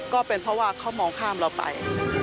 ก็เป็นเพราะว่าเขามองข้ามเราไป